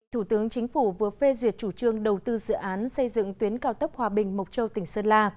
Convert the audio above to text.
thủ tướng chính phủ vừa phê duyệt chủ trương đầu tư dự án xây dựng tuyến cao tốc hòa bình mộc châu tỉnh sơn la